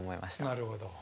なるほど。